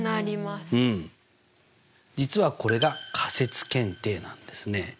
実はこれが仮説検定なんですね。